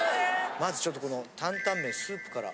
まずちょっとこのタンタンメンスープから。